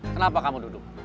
kenapa kamu duduk